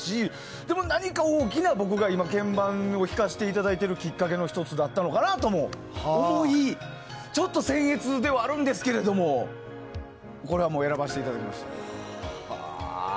でも、何か大きな僕が今、鍵盤を弾かせていただいているきっかけの１つだったのかなとも思いちょっと僭越ではあるんですけどいやー、渋いよ！